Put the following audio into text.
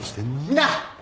みんな！